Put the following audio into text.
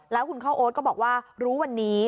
แล้วคุณเข้าโอ๊ตก็บอกว่ารู้วันนี้